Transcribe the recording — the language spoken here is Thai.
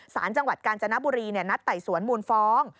สารจังหวัดกาญจนบุรีนัดไต่สวนมูลฟ้อง